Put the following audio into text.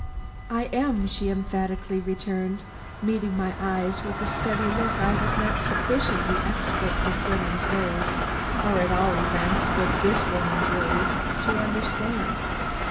"I am," she emphatically returned, meeting my eyes with a steady look I was not sufficiently expert with women's ways, or at all events with this woman's ways, to understand.